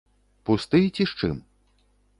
Пусты ці з чым?